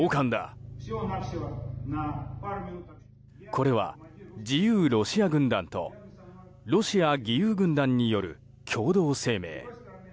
これは、自由ロシア軍団とロシア義勇軍団による共同声明。